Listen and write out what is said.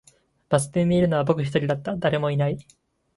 バス停にいるのは僕一人だった、誰もいない